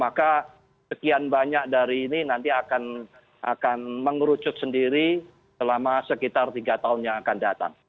maka sekian banyak dari ini nanti akan mengerucut sendiri selama sekitar tiga tahun yang akan datang